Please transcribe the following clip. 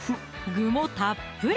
具もたっぷり！